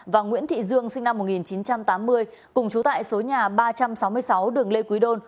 và nguyễn thị dương sinh năm một nghìn chín trăm tám mươi cùng trú tại số nhà ba trăm sáu mươi sáu đường lê quý đôn